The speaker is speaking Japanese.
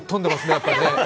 やっぱり。